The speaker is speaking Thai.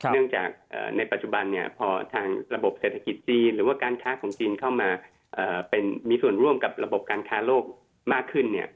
เนื่องจากในปัจจุบันพอทางระบบเศรษฐกิจจีนหรือว่าการค้าของจีนเข้ามามีส่วนร่วมกับระบบการค้าโลกมากขึ้น